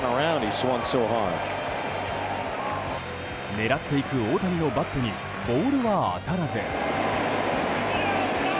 狙っていく大谷のバットにボールは当たらず。